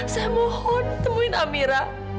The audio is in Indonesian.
saya mohon temuin amirah